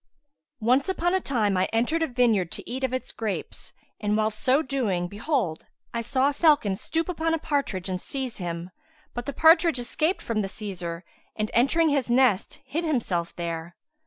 [FN#156] Once upon a time I entered a vineyard to eat of its grapes; and, whilst so doing behold, I saw a falcon stoop upon a partridge and seize him; but the partridge escaped from the seizer and, entering his nest, hid himself there.